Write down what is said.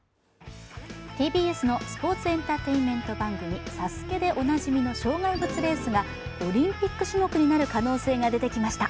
ＴＢＳのスポーツエンターテインメント番組「ＳＡＳＵＫＥ」でおなじみの障害物レースがオリンピック種目になる可能性が出てきました。